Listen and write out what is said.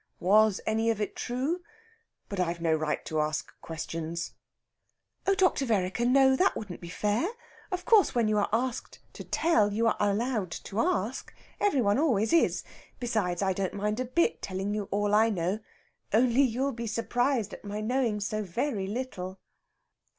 Was any of it true? But I've no right to ask questions...." "Oh, Dr. Vereker no! That wouldn't be fair. Of course, when you are asked to tell, you are allowed to ask. Every one always is. Besides, I don't mind a bit telling you all I know. Only you'll be surprised at my knowing so very little."